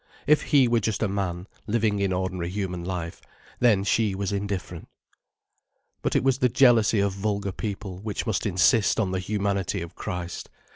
If He were just a man, living in ordinary human life, then she was indifferent. But it was the jealousy of vulgar people which must insist on the humanity of Christ.